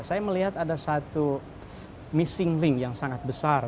saya melihat ada satu missing link yang sangat besar